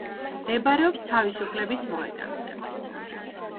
მდებარეობს თავისუფლების მოედანზე.